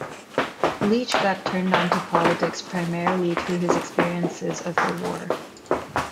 Leech got turned onto politics primarily through his experiences of the war.